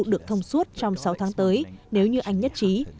được thông suốt trong sáu tháng tới nếu như anh nhất trí